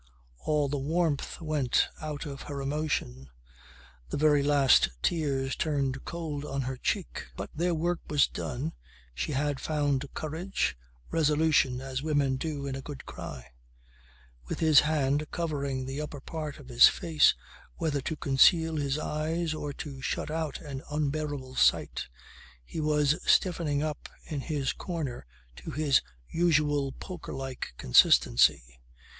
All the warmth went out of her emotion. The very last tears turned cold on her cheek. But their work was done. She had found courage, resolution, as women do, in a good cry. With his hand covering the upper part of his face whether to conceal his eyes or to shut out an unbearable sight, he was stiffening up in his corner to his usual poker like consistency.